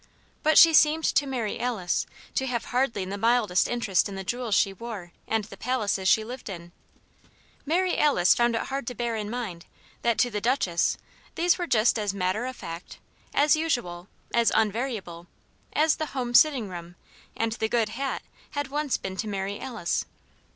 But she seemed to Mary Alice to have hardly the mildest interest in the jewels she wore and the palaces she lived in; Mary Alice found it hard to bear in mind that to the Duchess these were just as matter of fact, as usual, as unvariable, as the home sitting room and the "good" hat had once been to Mary Alice.